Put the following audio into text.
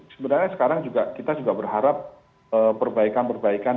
sebenarnya sekarang kita juga berharap perbaikan perbaikan